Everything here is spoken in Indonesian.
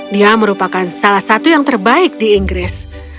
dia merupakan salah satu yang terbaik di inggris